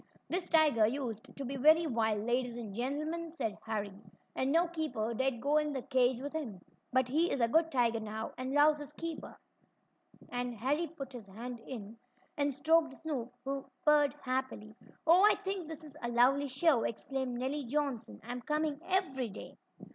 "This tiger used to be very wild, ladies and gentlemen," said Harry, "and no keeper dared go in the cage with him. But he is a good tiger now, and loves his keeper," and Harry put his hand in, and stroked Snoop, who purred happily. "Oh, I think this is a lovely show!" exclaimed Nellie Johnson. "I'm coming every day."